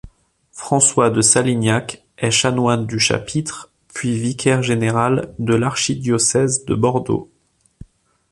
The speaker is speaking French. François de Salignac est chanoine du chapitre puis vicaire général de l'archidiocèse de Bordeaux.